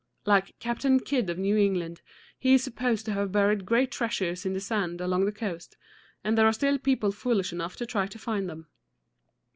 Like Captain Kidd of New England, he is supposed to have buried great treasures in the sand along the coast, and there are still people foolish enough to try to find them.